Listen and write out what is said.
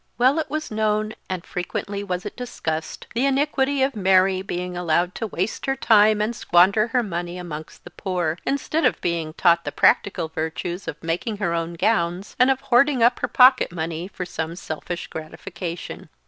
Well it was known and frequently was it discussed, the iniquity of Mary being allowed to waste her time and squander her money amongst the poor, instead of being taught the practical virtues of making her own gowns, and of hoarding up her pocket money for some selfish gratification.